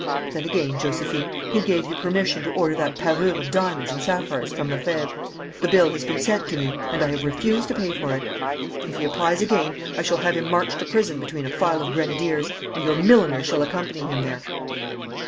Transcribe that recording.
Then again, Josephine, who gave you permission to order that parure of diamonds and sapphires from Lefebvre? The bill has been sent to me and I have refused to pay for it. If he applies again, I shall have him marched to prison between a file of grenadiers, and your milliner shall accompany him there.'